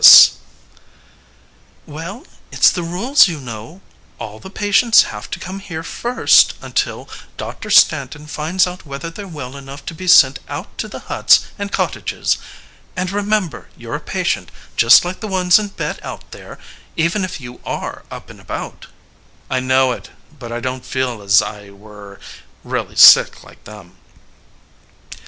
MISS HOWARD. Well, it s the rules, you know. All the patients have to come here first until Doctor Stanton finds out whether they re well enough to be sent out to the huts and cottages. And remember you re a patient just like the ones in bed out there even if you are up and about. MURRAY. I know it. But I don t feel as I were really sick like them. MISS HOWARD (wisely).